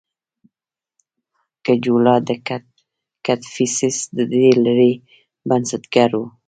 کجولا کدفیسس د دې لړۍ بنسټګر و